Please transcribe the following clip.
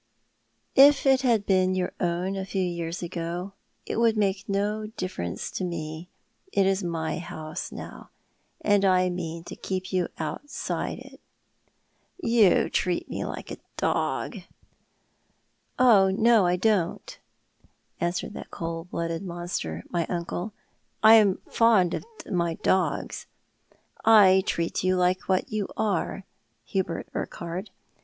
"If it had been your own a few years ago it would make no difference to me. It is my house now, and I mean to keep you outside it." " You treat me like a dog." " Oh, no, I don't," answered that cold blooded monster, my uncle, " I am fond of my dogs. I treat you like what you are, Hubert Urquhart.